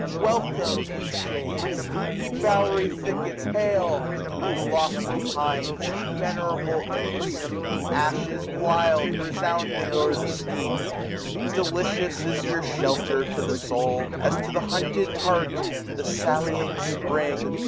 WfiLCOM£, ye shades ! ye bowery thickets hail ! Ye lofty fiats ! ye venerable oaks ! 470 Ye ashes wild, resounding o'er the steq) ! Delicious is your shelter to the soul. As to the hunted hart the sallying spring.